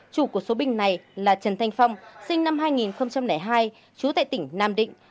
chủ của số bình này là trần thanh phong sinh năm hai nghìn hai trú tại tỉnh nam định